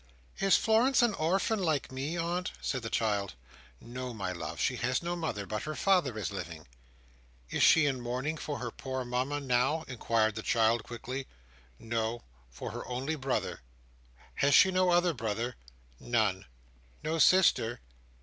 "Is Florence an orphan like me, aunt?" said the child. "No, my love. She has no mother, but her father is living." "Is she in mourning for her poor Mama, now?" inquired the child quickly. "No; for her only brother." "Has she no other brother?" "None." "No sister?"